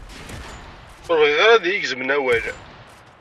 Ur bɣiɣ ara ad ayigezemen awal